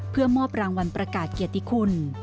เพื่อมอบรางวัลประกาศเกียรติคุณ